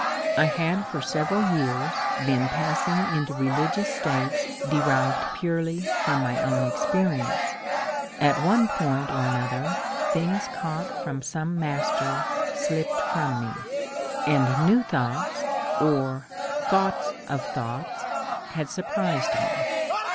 I had for several years been passing into religious states derived purely from my own experience. At one point or another things caught from some master slipped from me, and new thoughts — or thoughts of Thoughts — had surprised me.